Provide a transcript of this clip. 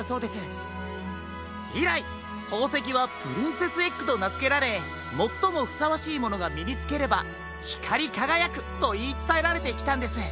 いらいほうせきはプリンセスエッグとなづけられもっともふさわしいものがみにつければひかりかがやくといいつたえられてきたんです。